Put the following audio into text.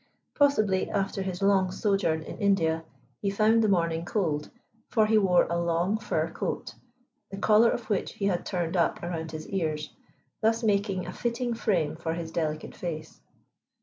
Possibly, after his long sojourn in India, he found the morning cold, for he wore a long fur coat, the collar of which he had turned up around his ears, thus making a fitting frame for his delicate face.